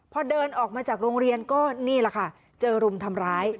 พอเดินออกมาจากโรงเรียนก็นี่แหละค่ะเจอรุมทำร้าย